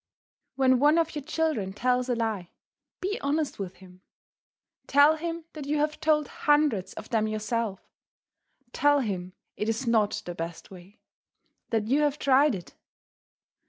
When one of your children tells a lie, be honest with him; tell him that you have told hundreds of them yourself. Tell him it is not the best way; that you have tried it.